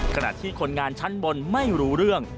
ขณะที่คนงานชั้นบนไม่รู้เรื่อง